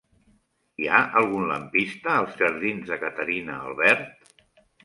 Hi ha algun lampista als jardins de Caterina Albert?